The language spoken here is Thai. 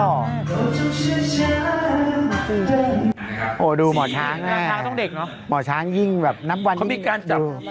โอ้โฮดูหมอช้างน่ะหมอช้างยิ่งแบบนับวันยิ่งดูเขามีการจับ